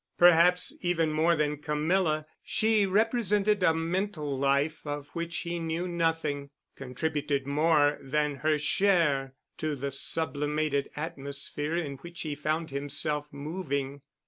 Perhaps even more than Camilla she represented a mental life of which he knew nothing, contributed more than her share to the sublimated atmosphere in which he found himself moving.